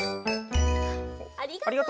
ありがとう！